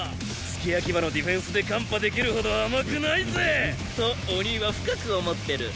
付け焼き刃のディフェンスで看破できるほど甘くないぜ！とお兄は深く思ってる。